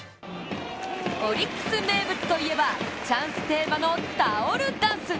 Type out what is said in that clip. オリックス名物といえば、チャンステーマのタオルダンス。